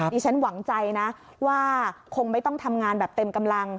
ฉันหวังใจนะว่าคงไม่ต้องทำงานแบบเต็มกำลัง